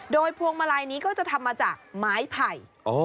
โดยพวงมาลัยนี้ก็จะทำมาจากไม้ไผ่